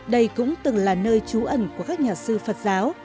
đây cũng từng là nơi trú ẩn của các nhà sư phật giáo